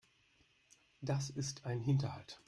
Das ist ein Hinterhalt.